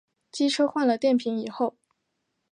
机车换了电瓶以后